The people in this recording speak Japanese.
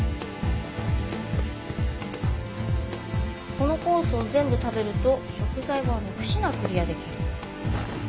このコースを全部食べると食材は６品クリアできる。